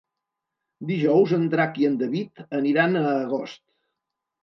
Dijous en Drac i en David aniran a Agost.